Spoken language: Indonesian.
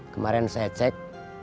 kemarin saya cek